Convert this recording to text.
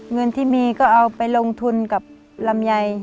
เงินที่มีก็เอาไปลงทุนกับลำไย